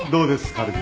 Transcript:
軽く。